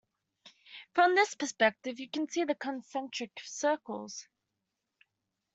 From this perspective you can see the concentric circles.